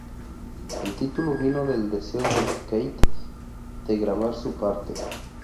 El título vino del deseo de Keith de grabar su parte.